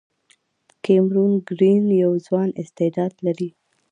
کیمرون ګرین یو ځوان استعداد لري.